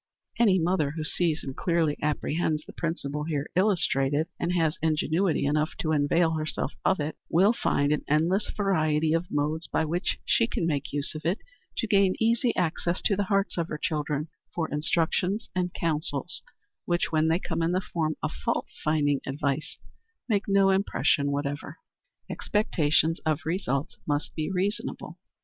Any mother who sees and clearly apprehends the principle here illustrated, and has ingenuity enough to avail herself of it, will find an endless variety of modes by which she can make use of it, to gain easy access to the hearts of her children, for instructions and counsels which, when they come in the form of fault finding advice, make no impression whatever. Expectations of Results must be Reasonable.